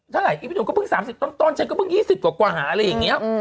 เท่าไหร่อีพี่หนุ่มก็เพิ่ง๓๐ต้นฉันก็เพิ่ง๒๐กว่าหาอะไรอย่างนี้